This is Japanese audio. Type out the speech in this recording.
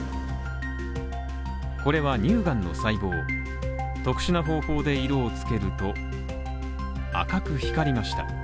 これは乳がんの細胞特殊な方法で色を付けると赤く光りました。